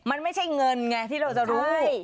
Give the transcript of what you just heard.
มันไม่ใช่เงินไงที่เราจะรู้